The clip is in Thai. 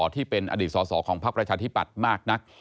ที่เป็นอดีตสอสอของพักประชาธิปัตย์มากนัก